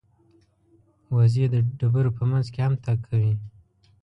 وزې د ډبرو په منځ کې هم تګ کوي